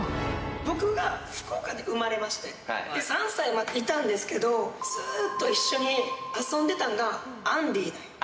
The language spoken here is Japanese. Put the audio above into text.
僕が福岡で生まれまして、３歳までいたんですけど、ずーっと一緒に遊んでたのがアンディー。